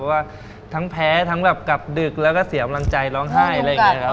ว่าทั้งแพ้ทั้งแบบกลับดึกแล้วก็เสียกำลังใจร้องไห้อะไรอย่างนี้ครับ